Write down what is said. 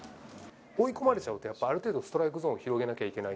追い込まれちゃうと、やっぱ、ある程度、ストライクゾーンを広げなきゃいけない。